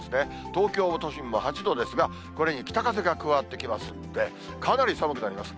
東京都心も８度ですが、これに北風が加わってきますんで、かなり寒くなります。